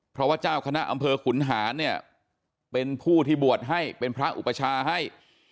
เพราะว่าเจ้าคณะอำเภอขุนหารเนี่ยเป็นผู้ที่บวชให้เป็นพระอุปชาให้